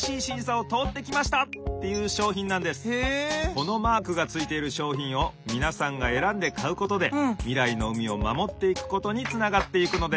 このマークがついているしょうひんをみなさんがえらんでかうことでみらいの海をまもっていくことにつながっていくのです。